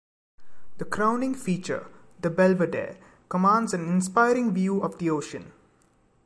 The crowning feature, the belvedere, commands an inspiring view of the ocean.